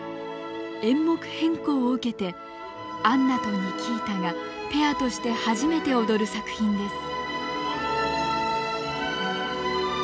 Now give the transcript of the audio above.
演目変更を受けてアンナとニキータがペアとして初めて踊る作品です。